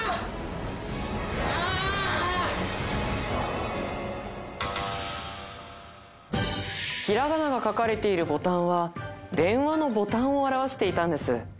ああひらがなが書かれているボタンは電話のボタンを表していたんです